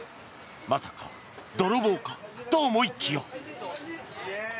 まさか泥棒かと思いきや。